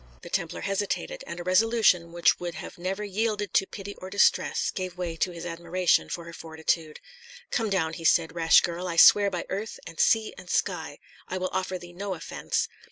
The Templar hesitated, and a resolution which would have never yielded to pity or distress gave way to his admiration for her fortitude. "Come down," he said, "rash girl! I swear by earth, and sea, and sky, I will offer thee no offence.